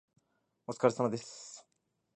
お疲れ様です。